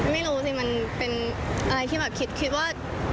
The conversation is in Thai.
ไม่รู้สิมันเป็นอะไรที่แบบคิดว่า